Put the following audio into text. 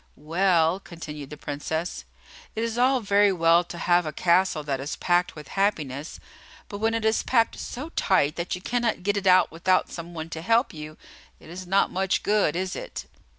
"Well," continued the Princess, "it is all very well to have a castle that is packed with happiness; but, when it is packed so tight that you cannot get it out without some one to help you, it is not much good, is it?"